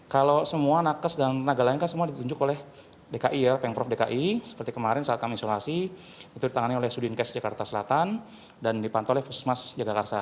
kalau semua nakes dan tenaga lain kan semua ditunjuk oleh dki ya pemprov dki seperti kemarin saat kami isolasi itu ditangani oleh sudinkes jakarta selatan dan dipantau oleh pusmas jagakarsa